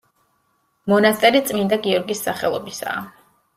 მონასტერი წმინდა გიორგის სახელობისაა.